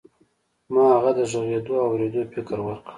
ما هغه ته د غږېدو او اورېدو فکر ورکړ.